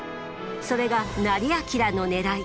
それが斉彬のねらい。